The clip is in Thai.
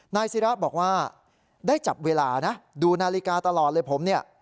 นายศิระบอกว่าได้จับเวลานะดูนาฬิกาตลอดเลยผมเนี่ย